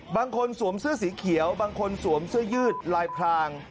สวมเสื้อสีเขียวบางคนสวมเสื้อยืดลายพราง